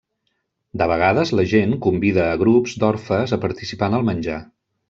De vegades la gent convida a grups d'orfes a participar en el menjar.